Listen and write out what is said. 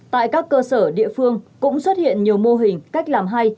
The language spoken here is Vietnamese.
tại các cơ sở địa phương cũng xuất hiện nhiều mô hình cách làm hay